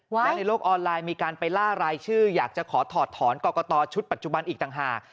และในโลกออนไลน์มีการไปล่ารายชื่ออยากจะขอถอดถอนกรกตชุดปัจจุบันอีกต่างหาก